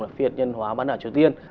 là phiệt nhân hóa bán đảo triều tiên